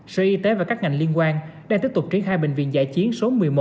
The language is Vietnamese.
sở y tế và các ngành liên quan đang tiếp tục triển khai bệnh viện giải chiến số một mươi một